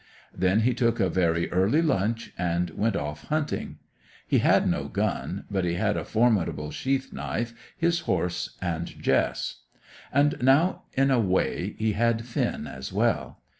Then he took a very early lunch and went off hunting. He had no gun, but he had a formidable sheath knife, his horse, and Jess. And now, in a way, he had Finn as well.